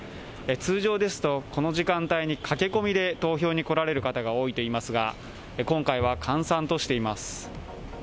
通常ですと、この時間帯に駆け込みで投票に来られる方が多いといいますが、今回は閑散としています。